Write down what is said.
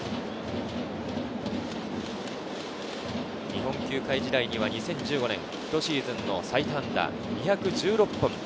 日本球界時代には２０１５年、１シーズンの最多安打２１６本。